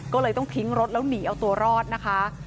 ก็เลยต้องทิ้งรถแล้วหนีเอาตัวรอดนะคะ